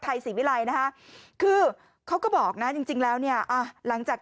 ไทยสิวิลัยนะคือเขาก็บอกนะจริงแล้วเนี่ยอ่ะหลังจาก